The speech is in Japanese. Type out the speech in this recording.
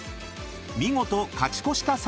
［見事勝ち越した際には］